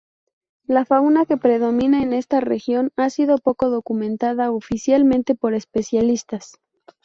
La fauna que predomina en esta región ha sido poco documentada oficialmente por especialistas.